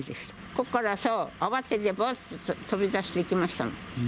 ここから慌てて、ばっと飛び出していきましたもん。